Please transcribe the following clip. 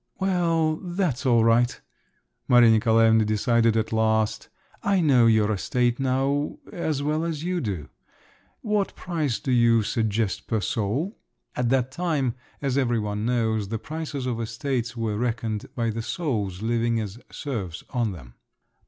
"Well, that's all right!" Maria Nikolaevna decided at last. "I know your estate now … as well as you do. What price do you suggest per soul?" (At that time, as every one knows, the prices of estates were reckoned by the souls living as serfs on them.)